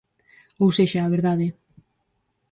Ou sexa, á verdade.